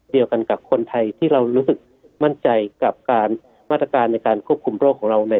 เดี๋ยวกลับมาที่ภูมิในการเขตครองเตย